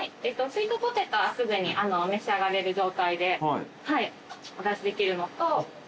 スイートポテトはすぐに召し上がれる状態でお出しできるのとあと結構ドリンクとかも。